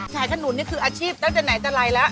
ชายขนุนนี่คืออาชีพตั้งแต่ไหนตลายละ